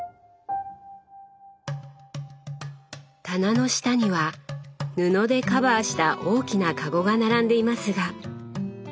棚の下には布でカバーした大きなかごが並んでいますが。